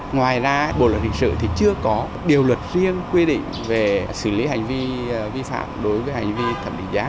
ngoài ra bộ luật hình sự thì chưa có điều luật riêng quy định về xử lý hành vi vi phạm đối với hành vi thẩm định giá